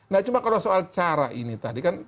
nah cuma kalau soal cara ini tadi kan